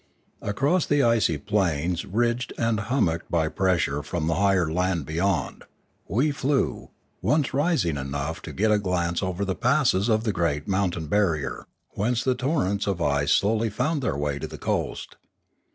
Across the icy plains, ridged and hummocked by pressure from the higher land beyond, we flew, once rising high enough to get a glance over the passes of the great mountain barrier, whence the torrents of ice slowly found their way to the coast.